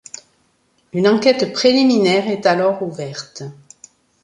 Une enquête préliminaire est alors ouverte.